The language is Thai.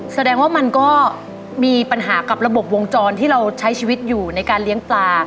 แสดงว่ามันก็มีปัญหากับระบบวงจรที่เราใช้ชีวิตอยู่ในการเลี้ยงปลา